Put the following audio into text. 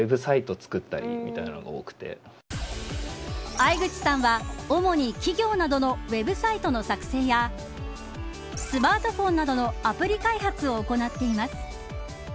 藍口さんは、主に企業などのＷＥＢサイトの作成やスマートフォンなどのアプリ開発を行っています。